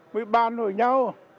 mới ban đổi nhau